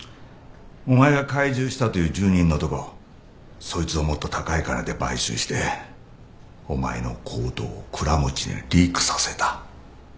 お前が懐柔したという住人の男そいつをもっと高い金で買収してお前の行動を倉持にリークさせた。